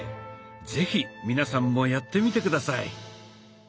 是非皆さんもやってみて下さい。